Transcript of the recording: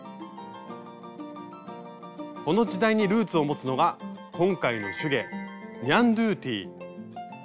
この時代にルーツを持つのが今回の手芸「ニャンドゥティ」。